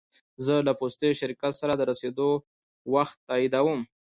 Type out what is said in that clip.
زه له پوستي شرکت سره د رسېدو وخت تاییدوم.